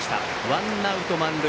ワンアウト満塁。